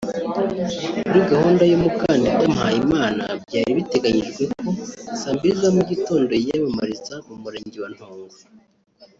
Kuri gahunda y’ umukandida Mpayimana byari biteganyijwe ko saa mbili za mugitongo yiyamamariza mu murenge wa Ntongwe